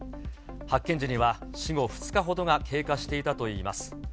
発見時には、死後２日ほどが経過していたといいます。